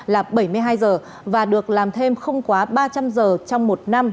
là bảy mươi hai giờ và được làm thêm không quá ba trăm linh giờ trong một năm